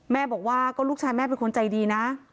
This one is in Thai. แม่บอกว่าก็ลูกชายแม่เป็นคนใจดีนะ